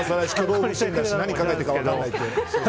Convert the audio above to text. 何を考えてるか分かんないっていう。